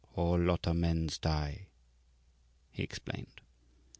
"Whole lot o' mens die," he explained.